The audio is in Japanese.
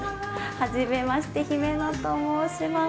はじめまして姫野と申します。